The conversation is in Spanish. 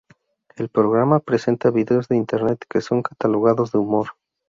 El programa presenta vídeos de internet que son catalogados de humor.